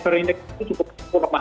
kepresiden kita cukup lemah